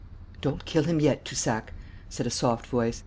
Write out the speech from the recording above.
'Don't kill him yet, Toussac,' said a soft voice.